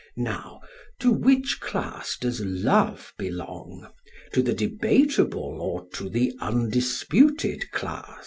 SOCRATES: Now to which class does love belong to the debatable or to the undisputed class?